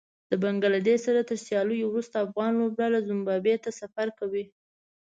بنګله دېش سره تر سياليو وروسته افغان لوبډله زېمبابوې ته سفر کوي